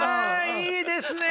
いいですね！